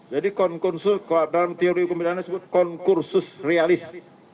jadi dalam teori hukum bidana disebut konkursus realis